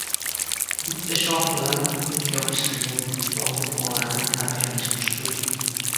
• Bitta shox bilan o‘t yoqish qiyin, yolg‘iz bolani tarbiyalash mushkul.